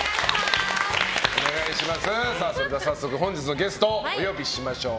それでは早速本日のゲストお呼びしましょう。